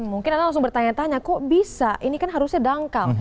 mungkin anda langsung bertanya tanya kok bisa ini kan harusnya dangkal